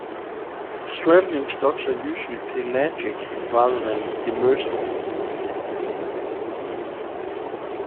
Straddling stocks are usually pelagic, rather than demersal.